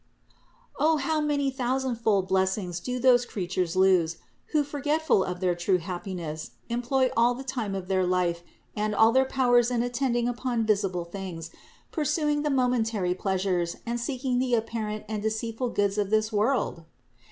O how many thousandfold blessings do those creatures lose who, forgetful of their true happiness, employ all the time of their life and all their powers in attending THE INCARNATION 557 upon visible things, pursuing the momentary pleasures and seeking the apparent and deceitful goods of this world!